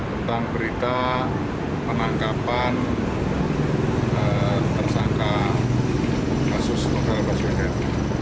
tentang berita penangkapan tersangka kasus novel baswedan